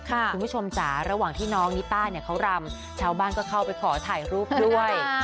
คุณผู้ชมจ๋าระหว่างที่น้องนิต้าเนี่ยเขารำชาวบ้านก็เข้าไปขอถ่ายรูปด้วย